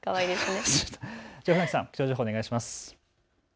船木さん、気象情報お願いします。